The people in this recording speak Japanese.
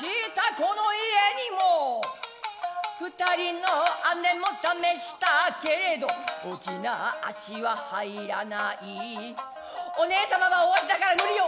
この家にも二人の姉も試したけれど大きな足は入らない「お姉さまは大足だから無理よ」。